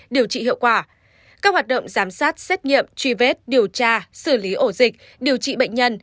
điều trị hiệu quả các hoạt động giám sát xét nghiệm truy vết điều tra xử lý ổ dịch điều trị bệnh nhân